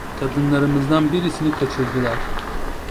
Kadınlarımızdan birisini kaçırdılar…